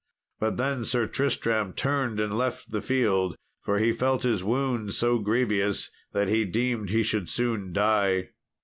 But then Sir Tristram turned and left the field, for he felt his wound so grievous that he deemed he should soon die.